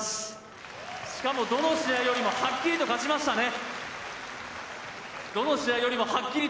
しかもどの試合よりもはっきりと勝ちましたね。